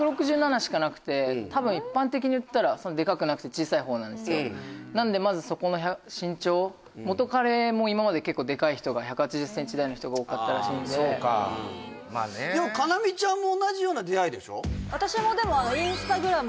多分一般的にいったらでかくなくて小さい方なんですよなのでまずそこの身長元彼も今まで結構でかい人が１８０センチ台の人が多かったらしいんででもＫａｎａｍｉちゃんも同じような出会いでしょ？